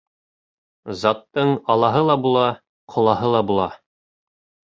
Заттың алаһы ла була, ҡолаһы ла була.